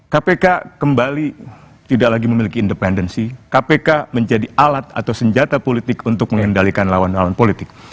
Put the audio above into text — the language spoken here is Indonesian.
kpk kembali tidak lagi memiliki independensi kpk menjadi alat atau senjata politik untuk mengendalikan lawan lawan politik